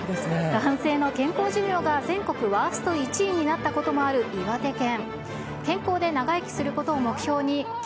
男性の健康寿命が全国ワースト１位になったこともある岩手県。